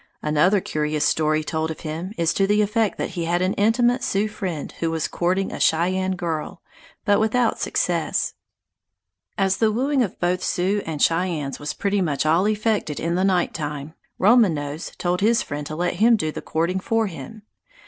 Another curious story told of him is to the effect that he had an intimate Sioux friend who was courting a Cheyenne girl, but without success. As the wooing of both Sioux and Cheyennes was pretty much all effected in the night time, Roman Nose told his friend to let him do the courting for him.